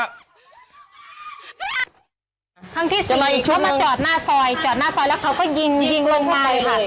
ทั้งที่เขามาจอดหน้าซอยจอดหน้าซอยแล้วเขาก็ยิงยิงลงมาเลยค่ะ